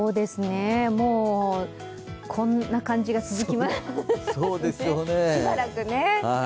もう、こんな感じが続きますね、しばらく。